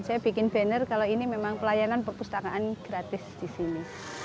saya bikin banner kalau ini memang pelayanan perpustakaan gratis di sini